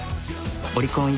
オリコン